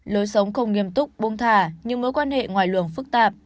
lối sống không nghiêm túc bông thả những mối quan hệ ngoài lường phức tạp